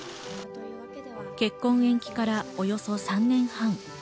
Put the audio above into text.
結婚延期からおよそ３年半。